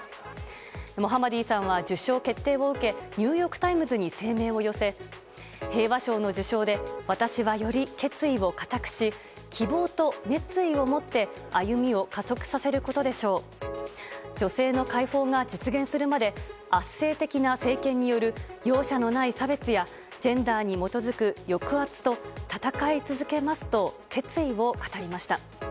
モハマディさんは受賞決定を受けニューヨーク・タイムズに声明を寄せ、平和賞の受賞で私はより決意を固くし希望と熱意をもって歩みを加速させることでしょう女性の解放が実現するまで圧政的な政権による容赦のない差別やジェンダーに基づく抑圧と闘い続けますと決意を語りました。